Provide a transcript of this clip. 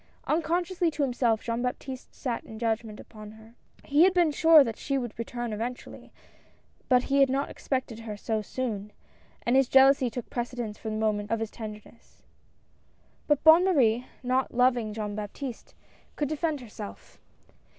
Unconsciously to himself Jean Baptiste sat in judg ment upon her. He had been sure that she would return eventually, but he had not expected her so soon, and his jealousy took precedence for the moment of his tenderness. But Bonne Marie, not loving Jean Baptiste, could defend herself.